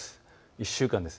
１週間です。